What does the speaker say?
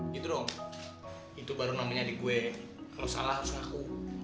gitu dong itu baru namanya di gue kalau salah harus ngaku